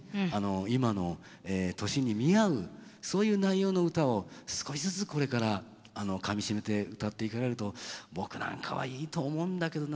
今の年に見合うそういう内容の歌を少しずつこれからかみしめて歌っていかれると僕なんかはいいと思うんだけどな。